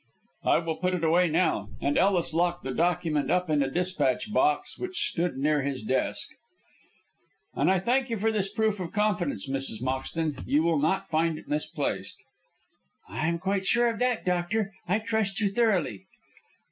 "I will put it away now "; and Ellis locked the document up in a despatch box which stood near his desk. "And I thank you for this proof of confidence, Mrs. Moxton; you will not find it misplaced." "I am quite sure of that, doctor. I trust you thoroughly."